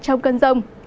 trong cơn rông